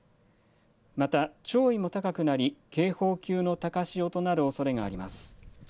また潮位も高くなり、警報級の高潮となるおそれがあります。